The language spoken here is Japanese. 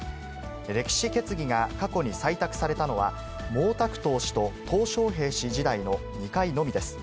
歴史決議が過去に採択されたのは、毛沢東氏ととう小平氏時代の２回のみです。